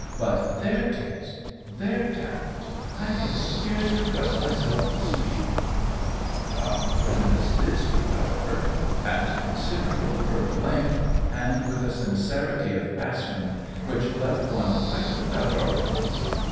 But their taste, their tact — I can scarcely trust myself to speak !" Madame de Brindes did speak, however, at considerable further length and with a sin cerity of passion which left one quite without arguments.